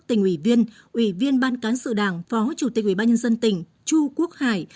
tỉnh ủy viên ủy viên ban cán sự đảng phó chủ tịch ủy ban nhân dân tỉnh chu quốc hải